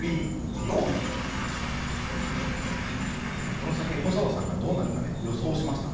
この先細野さんがどうなるかね予想しました。